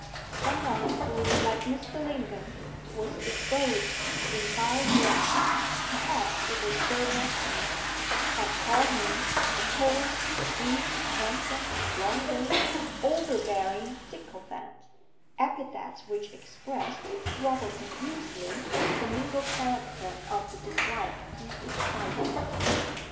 Some one who, like Mr. Lingon, was disposed to revile Jermyn (perhaps it was Sir Maximus), had called him "a cursed, sleek, handsome, long winded, overbearing sycophant"; epithets which expressed, rather confusedly, the mingled character of the dislike he excited.